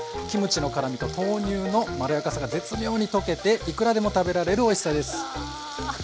キムチの辛みと豆乳のまろやかさが絶妙に溶けていくらでも食べられるおいしさです！